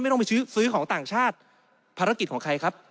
ต้องไปซื้อซื้อของต่างชาติภารกิจของใครครับ